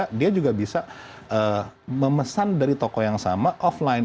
mereka juga bisa memesan dari toko yang sama offline